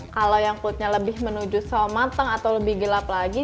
kalau yang kulitnya lebih menuju sol matang atau lebih gelap lagi